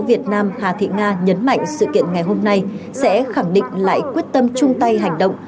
việt nam hà thị nga nhấn mạnh sự kiện ngày hôm nay sẽ khẳng định lại quyết tâm chung tay hành động